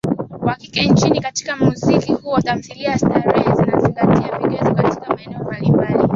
wa kike nchini katika muziki huo Tathimini ya Starehe imezingatia vigezo katika maeneo mbalimbali